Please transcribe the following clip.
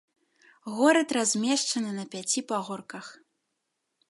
Горад размешчаны на пяці пагорках.